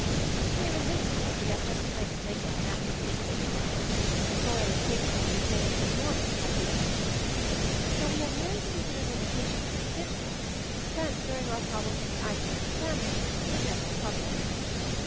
"Here in this country we have no com plaint to make of our natural resources. The soil is capable of sustaining an enormous population. So we have merely to consider the limitations of individuals, transferring our problem from the isolated family to the general public.